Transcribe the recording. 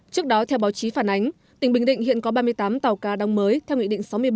trước đó theo báo chí phản ánh tỉnh bình định hiện có ba mươi tám tàu ca đong mới theo nghị định sáu mươi ba